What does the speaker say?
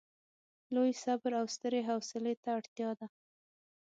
لوی صبر او سترې حوصلې ته اړتیا ده.